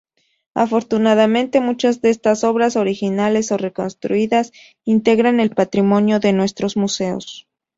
Afortunadamente muchas de estas obras, originales o reconstruidas, integran el patrimonio de nuestros museos.